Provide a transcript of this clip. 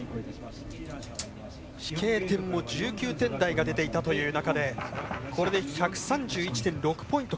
飛型点も１９点台が出ていたという中でこれで１３１．６ポイント。